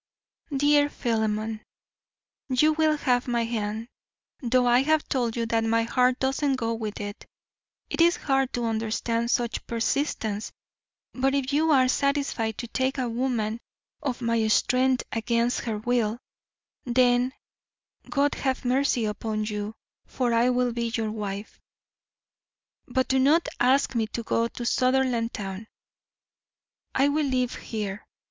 DEAR PHILEMON: You WILL have my hand though I have told you that my heart does not go with it. It is hard to understand such persistence, but if you are satisfied to take a woman of my strength against her will, then God have mercy upon you, for I will be your wife. But do not ask me to go to Sutherlandtown. I will live here.